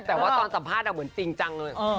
แต่ว่าตอนสัมภาษณ์เหมือนจริงจังเลย